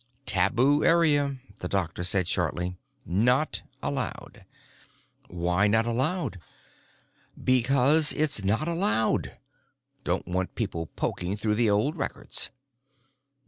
"Tabu area," the doctor said shortly. "Not allowed." "Why not allowed?" "Because it's not allowed. Don't want people poking through the old records."